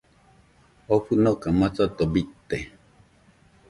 Oo fɨnoka masato bite.